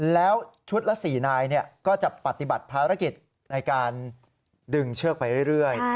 แล้วชุดละ๔นายก็จะปฏิบัติภารกิจในการดึงเชือกไปเรื่อย